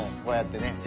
こうやってね。